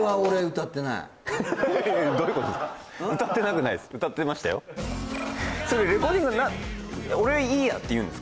歌ってなくないです